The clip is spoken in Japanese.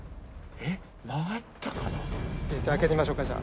開けてみましょうかじゃあ。